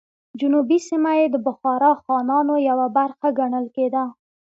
جنوبي سیمه یې د بخارا خانانو یوه برخه ګڼل کېده.